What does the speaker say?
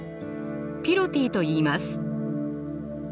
ピロティといいます。